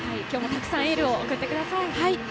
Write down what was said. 今日もたくさんエールを送ってください。